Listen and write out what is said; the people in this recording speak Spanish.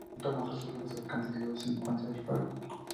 En el punto más alto de los acantilados se encuentra el faro.